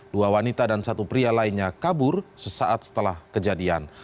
dua wanita dan satu pria lainnya kabur sesaat setelah kejadian